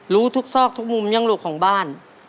รู้ทุกซอกทุกมุมยังลูกของบ้าน